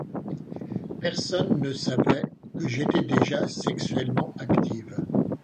Personne ne savait que j'étais déjà sexuellement active.